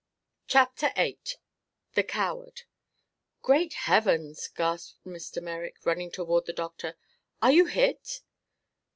CHAPTER VIII THE COWARD "Great heavens!" gasped Mr. Merrick, running toward the doctor. "Are you hit?"